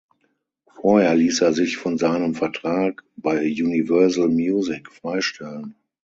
Vorher ließ er sich von seinem Vertrag bei Universal Music freistellen.